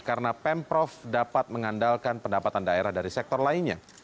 karena pemprov dapat mengandalkan pendapatan daerah dari sektor lainnya